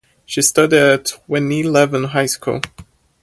She studied at Yeni Levent High School.